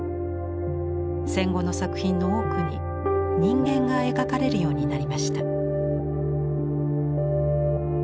戦後の作品の多くに人間が描かれるようになりました。